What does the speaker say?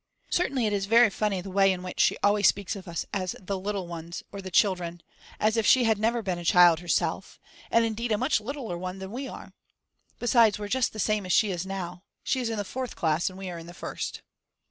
Certainly it is very funny the way in which she always speaks of us as "the little ones" or "the children," as if she had never been a child herself, and indeed a much littler one than we are. Besides we're just the same as she is now. She is in the fourth class and we are in the first.